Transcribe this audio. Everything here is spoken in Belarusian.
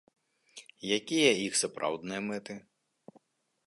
Якія іх сапраўдныя мэты?